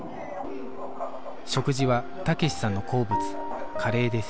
食事は武志さんの好物カレーです